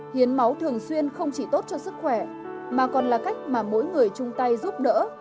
hiến máu thường xuyên không chỉ tốt cho sức khỏe mà còn là cách mà mỗi người chung tay giúp đỡ